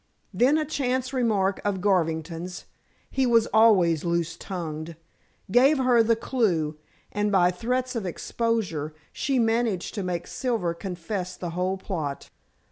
Then a chance remark of Garvington's he was always loose tongued gave her the clue, and by threats of exposure she managed to make Silver confess the whole plot.